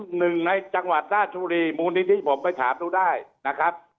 หนึ่งในจังหวัดราชบุรีมูลนิธิผมไปถามดูได้นะครับ